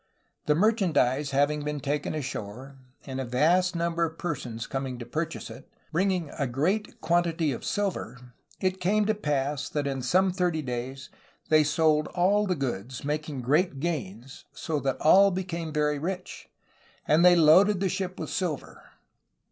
The merchandise having been taken ashore, and a vast number of persons coming to pur chase it, bringing a great quantity of silver, it came to pass that in some thirty days they sold all the goods, making great gains. SEBASTIAN VfZCAlNO 141 SO that all became very rich, and they loaded the ship with silver.